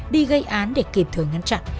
đi gây án để kịp thường ngăn chặn